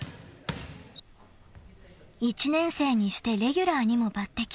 ［１年生にしてレギュラーにも抜てき］